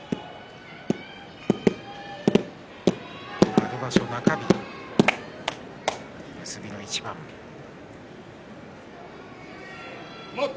春場所中日結びの一番です。